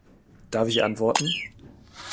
Darf ich antworten?